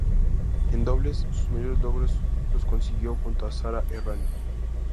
En dobles, sus mayores logros los consiguió junto a Sara Errani.